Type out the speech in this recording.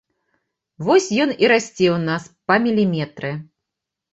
Вось ён і расце ў нас па міліметры.